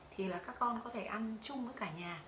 thì là các con có thể ăn chung với cả nhà